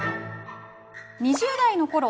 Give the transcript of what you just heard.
２０代のころ